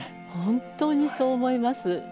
本当にそう思います。